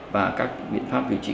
và các biện pháp điều trị